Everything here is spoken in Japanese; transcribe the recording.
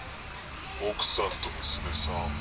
奥さんと娘さん